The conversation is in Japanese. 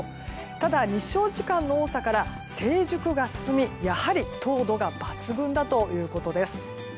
ただ、日照時間の多さから成熟が進み、やはり糖度が抜群だということです。